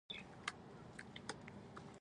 زه هم مسلمانه یم.